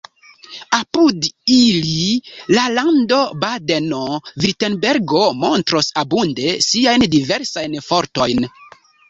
Apud ili la lando Badeno-Virtenbergo montros abunde siajn diversajn fortojn.